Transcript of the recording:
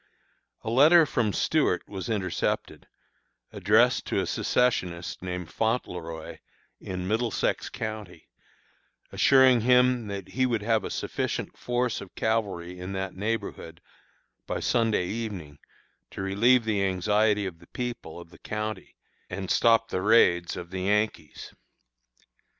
"A letter from Stuart was intercepted, addressed to a secessionist named Fontleroy, in Middlesex County, assuring him that he would have a sufficient force of cavalry in that neighborhood by Sunday evening to relieve the anxiety of the people of the county and stop the raids of the Yankees.